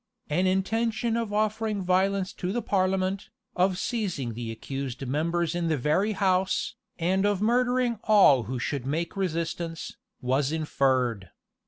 An intention of offering violence to the parliament, of seizing the accused members in the very house, and of murdering all who should make resistance, was inferred.